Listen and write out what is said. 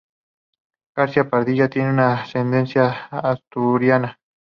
García Padilla tiene ascendencia asturiana.